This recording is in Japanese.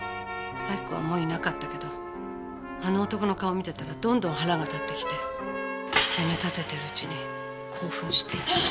咲子はもういなかったけどあの男の顔を見てたらどんどん腹が立ってきて責め立ててるうちに興奮して。